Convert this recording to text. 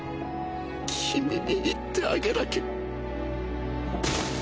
君に言ってあげなきゃ